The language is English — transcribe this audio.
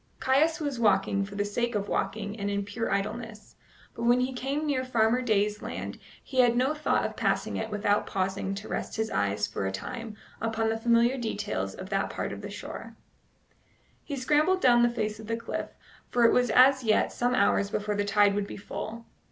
Caius was walking for the sake of walking and in pure idleness, but when he came near Farmer Day's land he had no thought of passing it without pausing to rest his eyes for a time upon the familiar details of that part of the shore. He scrambled down the face of the cliff, for it was as yet some hours before the tide would be full.